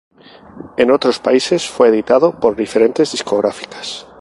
En otros países fue editado por diferentes discográficas.